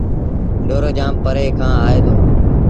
ڍورو جآم پري کآݩ آئي دو۔